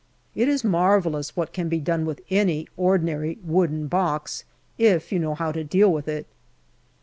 It is marvellous what can be done with any ordinary wooden box, if you know how to deal with it.